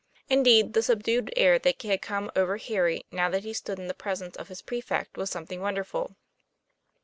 Indeed the subdued air that had come over Harry, now that he stood in the presence of his prefect, was something wonderful.